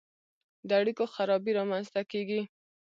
د اړیکو خرابي رامنځته کیږي.